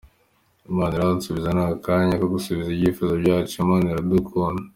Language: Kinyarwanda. Imana irasubiza, ni akanya ko gusubizwa ibyifuzo byacu, Imana iradukunda.